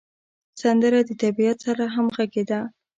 سندره د طبیعت سره همغږې ده